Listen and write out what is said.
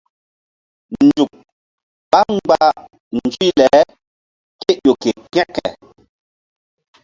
Nzuk ɓá mgba nzuyble ke ƴo ke kȩke.